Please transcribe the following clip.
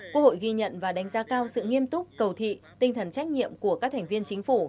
quốc hội ghi nhận và đánh giá cao sự nghiêm túc cầu thị tinh thần trách nhiệm của các thành viên chính phủ